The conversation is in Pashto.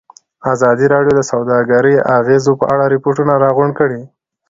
ازادي راډیو د سوداګري د اغېزو په اړه ریپوټونه راغونډ کړي.